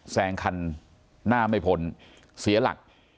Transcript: แซงคันหน้าไม่พ้นเสียหลัก